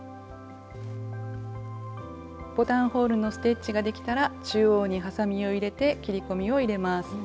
ボタンホールのステッチができたら中央にはさみを入れて切り込みを入れます。